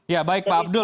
ya baik pak abdul